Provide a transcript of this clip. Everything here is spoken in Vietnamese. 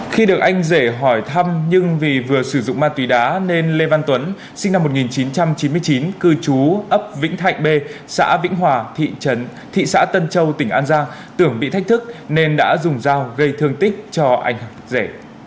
khi được anh rể hỏi thăm nhưng vì vừa sử dụng ma túy đá nên lê văn tuấn sinh năm một nghìn chín trăm chín mươi chín cư trú ấp vĩnh thạnh b xã vĩnh hòa thị xã tân châu tỉnh an giang tưởng bị thách thức nên đã dùng dao gây thương tích cho anh rể